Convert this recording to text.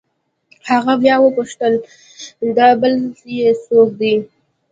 هغه بيا وپوښتل دا بل يې سوک دې.